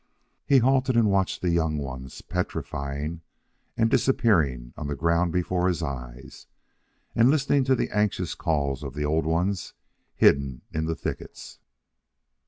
He halted and watched the young ones "petrifying" and disappearing on the ground before his eyes, and listening to the anxious calls of the old ones hidden in the thickets.